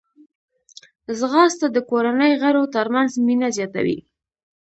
ځغاسته د کورنۍ غړو ترمنځ مینه زیاتوي